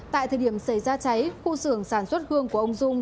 tại thời điểm xảy ra cháy khu xưởng sản xuất hương của ông dung